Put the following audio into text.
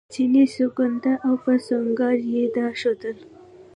چیني سونګېده او په سونګاري یې دا ښودله.